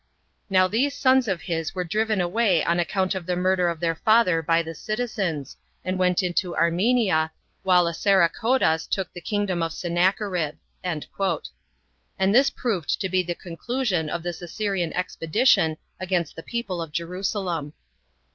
Now these sons of his were driven away on account of the murder of their father by the citizens, and went into Armenia, while Assarachoddas took the kingdom of Sennacherib." And this proved to be the conclusion of this Assyrian expedition against the people of Jerusalem.